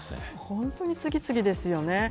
本当に次々ですよね。